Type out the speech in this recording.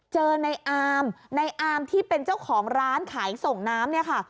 เจอในอามในอามที่เป็นเจ้าของร้านขายส่งน้ำเนี่ยค่ะ